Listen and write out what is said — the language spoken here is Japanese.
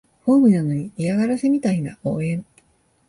ホームなのに嫌がらせみたいな応援